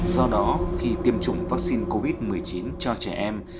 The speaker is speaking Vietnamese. do đó khi tiêm chủng vaccine covid một mươi chín cho trẻ em